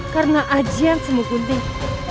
karena ajian semu gunting